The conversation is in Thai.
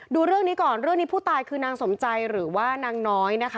ดูเรื่องนี้ก่อนเรื่องนี้ผู้ตายคือนางสมใจหรือว่านางน้อยนะคะ